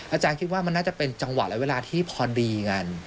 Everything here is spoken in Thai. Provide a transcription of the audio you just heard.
อาจารย์คิดว่ามันน่าจะเป็นจังหวะและเวลาที่พอดีกัน